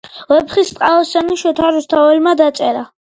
ვეფხისტყაოსანი შოთა რუსთაველმა დაწერა.